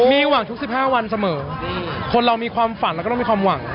มีหวังทุก๑๕วันเสมอคนเรามีความฝันแล้วก็ต้องมีความหวัง